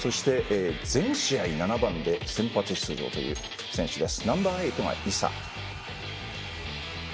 全試合７番で先発出場という選手です。